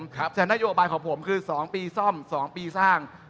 แต่นโยบายของผมคือ๒ปีซ่อม๒ปีสร้าง